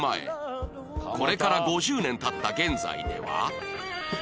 これから５０年経った現在では